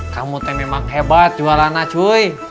kamu tuh memang hebat jualannya cuy